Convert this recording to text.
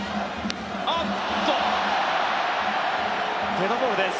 デッドボールです。